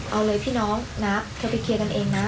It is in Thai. เอาเลยพี่น้องนะเธอไปเคลียร์กันเองนะ